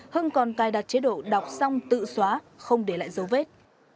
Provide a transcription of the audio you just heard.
hưng còn cài đặt chế độ đọc xong tự xóa không để lại dấu vết